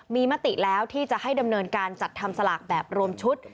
มีมติแล้วที่จะให้ดำเนินการจัดทำสลากแบบรวมชุด